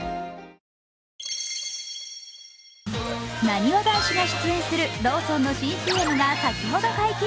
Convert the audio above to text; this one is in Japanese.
なにわ男子が出演するローソンの新ＣＭが先ほど解禁。